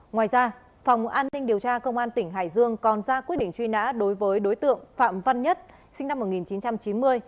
ngoài ra phòng an ninh điều tra công an tỉnh hải dương còn ra quyết định truy nã đối với đối tượng phạm văn nhất sinh năm một nghìn chín trăm chín mươi